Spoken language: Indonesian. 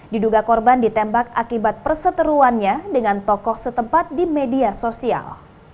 diduga korban ditembak akibat perseteruannya dengan tokoh setempat di media sosial